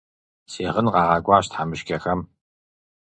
Си гъын къагъэкӀуащ тхьэмыщкӀэхэм.